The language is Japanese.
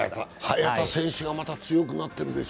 早田選手が強くなってるでしょ。